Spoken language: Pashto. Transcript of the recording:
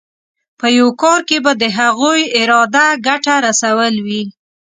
په یو کار کې به د هغوی اراده ګټه رسول وي.